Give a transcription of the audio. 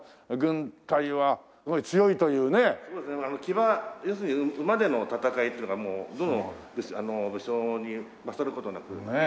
騎馬要するに馬での戦いっていうのがもうどの武将も勝る事なく。